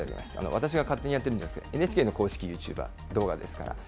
私が勝手にやってるんじゃなくて、ＮＨＫの公式ユーチューバー動画ですから。